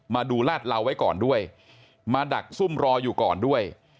มาดูลาดเหลาไว้ก่อนด้วยมาดักซุ่มรออยู่ก่อนด้วย